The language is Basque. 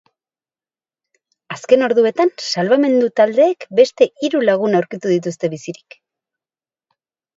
Azken orduetan, salbamendu taldeek beste hiru lagun aurkitu dituzte bizirik.